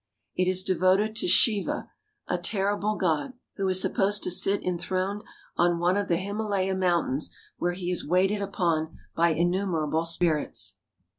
It is devoted to Shiva, a terrible god, who is supposed to sit en throned on one of the Himalaya Mountains, where he is waited upon by innumerable spirits.